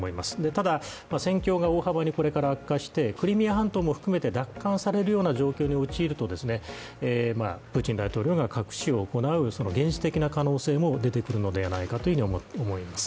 ただ、戦況がこれから大幅に悪化してクリミア半島も含めて奪還されるような状況に陥るとプーチン大統領が核使用を行う現実的な可能性も出てくるのではないかと思います。